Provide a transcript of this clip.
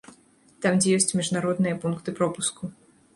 Там, дзе ёсць міжнародныя пункты пропуску.